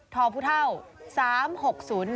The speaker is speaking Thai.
ทอพุท่าว